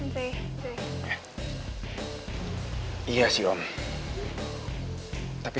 dan ini juga sangat menarik